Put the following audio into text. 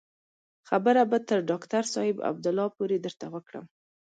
خبره به تر ډاکتر صاحب عبدالله پورې درته وکړم.